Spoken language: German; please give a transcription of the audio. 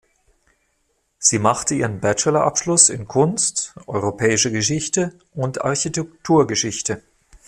Sie machte ihren Bachelor-Abschluss in Kunst, Europäischer Geschichte und Architekturgeschichte.